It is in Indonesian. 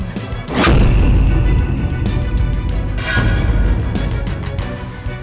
yang sudah membohongi istrinya